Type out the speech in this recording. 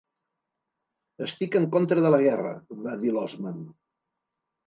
"Estic en contra de la guerra", va dir l'Osman.